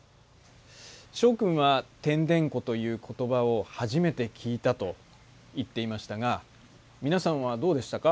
昭君は「てんでんこ」という言葉を初めて聞いたと言っていましたがみなさんはどうでしたか？